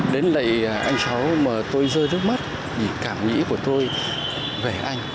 đến lấy anh sáu mà tôi rơi nước mắt vì cảm nghĩ của tôi về anh